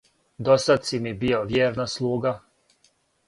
Досад си ми био вјерна слуга,